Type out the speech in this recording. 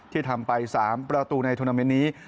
ที่ทำไป๓ประตูในธุรกิจนี้